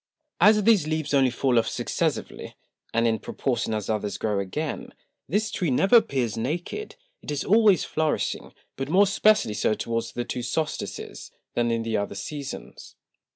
As these Leaves only fall off successively, and in proportion as others grow again, this Tree never appears naked: It is always flourishing, but more especially so towards the two Solstices, than in the other Seasons.